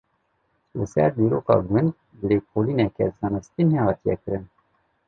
Li ser dîroka gund lêkolîneke zanistî nehatiye kirin.